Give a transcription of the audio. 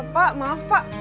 pak maaf pak